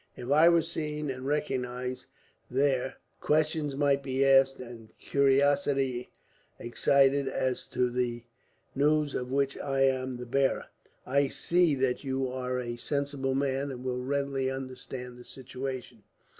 If I were seen and recognized there, questions might be asked, and curiosity excited as to the news of which I am the bearer. "I see that you are a sensible man, and will readily understand the situation.